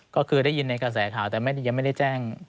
ก็คือได้ยินในกระแสข่าวแต่ยังไม่ได้แจ้ง